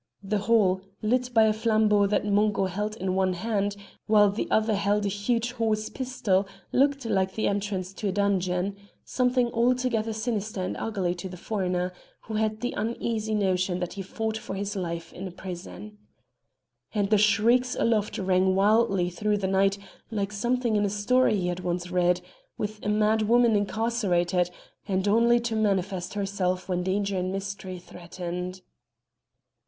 The hall, lit by a flambeau that Mungo held in one hand, while the other held a huge horse pistol, looked like the entrance to a dungeon, something altogether sinister and ugly to the foreigner, who had the uneasy notion that he fought for his life in a prison. And the shrieks aloft rang wildly through the night like something in a story he had once read, with a mad woman incarcerated, and only to manifest herself when danger and mystery threatened.